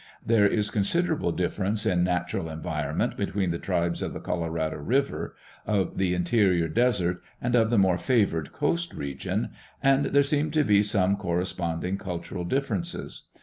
There is considerable difference in natural environment between the tribes of the Colorado river, of the interior desert, and of the more favored coast region, and there seem to be some corresponding cultural differences.